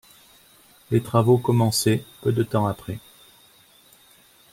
Les travaux commencés peu de temps après.